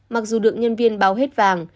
mặc dù được nhân viên báo hết vàng